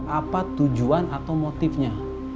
apa tujuan atau motifnya